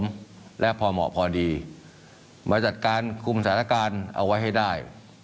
และพอเหมาะพอดีมาจัดการคุมสถานการณ์เอาไว้ให้ได้